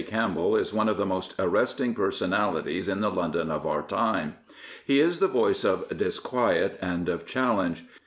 Campbell is one of the most arresting personalities in the London of our time. He is the voice of disquiet and of challenge.